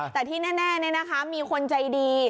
แต่ที่แน่มีคนใจดี